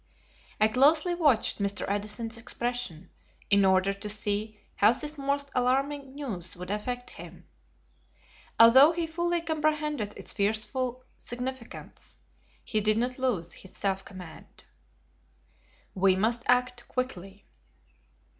I closely watched Mr. Edison's expression in order to see how this most alarming news would affect him. Although he fully comprehended its fearful significance, he did not lose his self command. We Must Act Quickly.